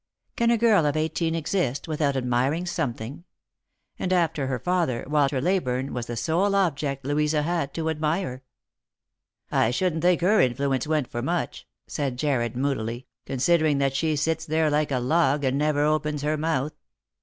Can a girl of eighteen exist without admiring something ? and, after her father, Walter Leyburne was the sole object Louisa had to admire. " I shouldn't think her influence went for much," said Jarred, moodily, " considering that she sits there like a log, and never opens her mouth."